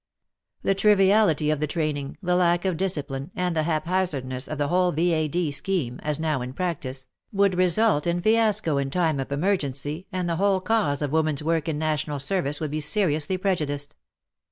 The triviality of the training, the lack of discipline and the haphazardness of the whole V.A.D. scheme, as now in practice, would result in fiasco in time of emergency, and the whole cause of women's work in national service would be seriously prejudiced.